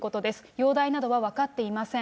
容体などは分かっていません。